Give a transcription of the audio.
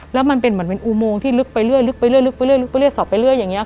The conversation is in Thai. แล้วมันเป็นเหมือนเป็นอูโมงที่ลึกไปเรื่อยลึกไปเรื่อยลึกไปเรื่อยลึกไปเรื่อยสอบไปเรื่อยอย่างเงี้ยค่ะ